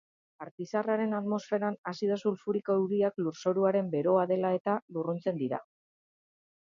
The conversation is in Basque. Artizarraren atmosferan azido sulfuriko-euriak lurzoruaren beroa dela eta lurruntzen dira.